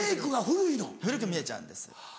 古く見えちゃうんです。